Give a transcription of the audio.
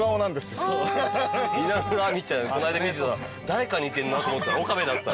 稲村亜美ちゃんこないだ見てたら誰か似てんなと思ったら岡部だった。